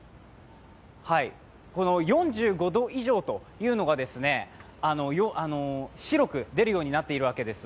４５度以上というのが白く出るようになっているわけです。